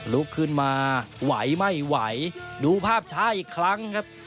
ลุกขึ้นมาไหวไม่ไหวดูภาพช้าอีกครั้งครับ